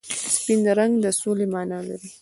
سپین رنګ د سولې مانا لري.